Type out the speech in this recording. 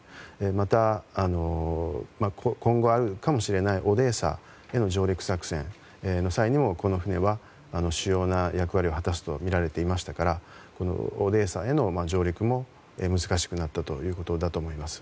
また、今後あるかもしれないオデーサへの上陸作戦の際にもこの船は主要な役割を果たすとみられていましたからオデーサへの上陸も難しくなったと思います。